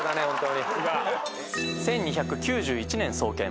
１２９１年創建